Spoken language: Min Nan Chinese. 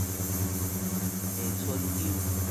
會伸勼